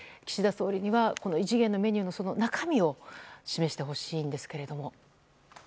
総理には異次元のメニューの中身を示してほしいんですけれども。